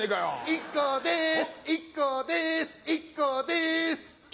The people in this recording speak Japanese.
ＩＫＫＯです。